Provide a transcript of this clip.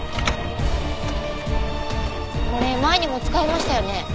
これ前にも使いましたよね？